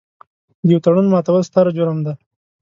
د یوه تړون ماتول ستر جرم دی.